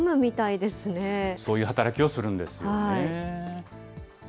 そういう働きをするんですよね。